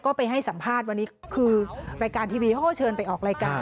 ก็ไปให้สัมภาษณ์วันนี้คือรายการทีวีเขาก็เชิญไปออกรายการ